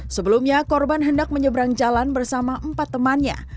sebelumnya korban hendak menyeberang jalan bersama empat temannya